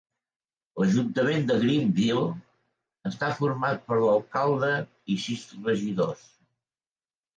L'ajuntament de Greenville està format per l'alcalde i sis regidors.